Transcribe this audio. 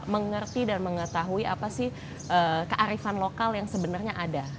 mengerti dan mengetahui apa sih kearifan lokal yang sebenarnya ada